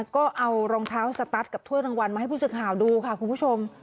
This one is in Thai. ก็เอารองเท้าสตั๊ดกับถ้วยรางวัลมาให้ผู้สื่อข่าวดูค่ะคุณผู้ชม